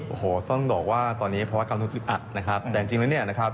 โอ้โหต้องบอกว่าตอนนี้เพราะว่าการทดลิบอัดนะครับแต่จริงจริงแล้วเนี้ยนะครับ